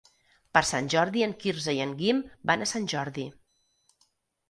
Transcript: Per Sant Jordi en Quirze i en Guim van a Sant Jordi.